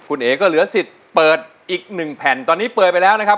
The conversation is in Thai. คุณเอ๋ก็เหลือสิทธิ์เปิดอีกหนึ่งแผ่นตอนนี้เปลยไปแล้วนะครับ